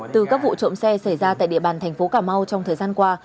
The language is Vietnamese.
từ các vụ trộm xe xảy ra tại địa bàn thành phố cà mau trong thời gian qua